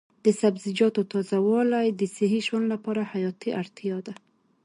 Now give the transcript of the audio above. د سبزیجاتو تازه والي د صحي ژوند لپاره حیاتي اړتیا ده.